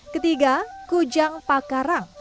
ketiga kujang pakarang